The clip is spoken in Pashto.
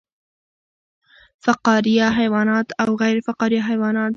فقاریه حیوانات او غیر فقاریه حیوانات